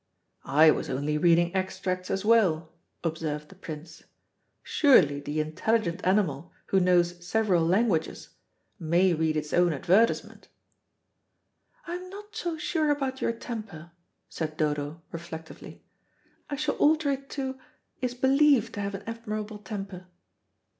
"I was only reading extracts as well," observed the Prince. "Surely the intelligent animal, who knows several languages, may read its own advertisement?" "I'm not so sure about your temper," said Dodo, reflectively: "I shall alter it to 'is believed to have an admirable temper.'"